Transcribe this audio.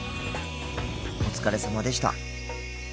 お疲れさまでした。